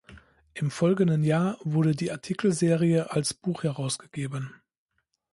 Im folgenden Jahr wurde die Artikelserie als Buch herausgegeben.